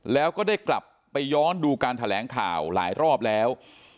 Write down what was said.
แล้วก็ได้กลับไปย้อนดูการแถลงข่าวหลายรอบแล้ว